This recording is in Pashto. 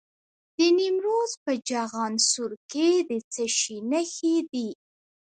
د نیمروز په چخانسور کې د څه شي نښې دي؟